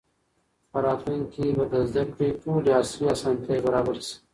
په راتلونکي کې به د زده کړې ټولې عصري اسانتیاوې برابرې سي.